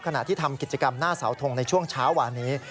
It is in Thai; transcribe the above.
ขณะที่ทำกิจกรรมหน้าเสาทงในช่วงเช้าวานนี้